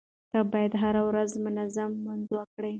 ته بايد هره ورځ منظم لمونځ وکړې.